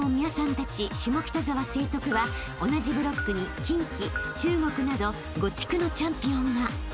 たち下北沢成徳は同じブロックに近畿中国など５地区のチャンピオンが］